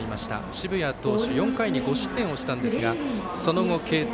澁谷投手４回に５失点をしたんですがその後、継投。